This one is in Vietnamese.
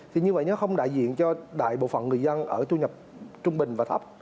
thì như vậy nó không đại diện cho đại bộ phận người dân ở thu nhập trung bình và thấp